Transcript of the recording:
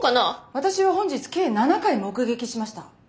私は本日計７回目撃しました。